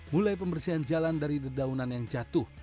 mulai pembersihan jalan dari dedaunan yang jatuh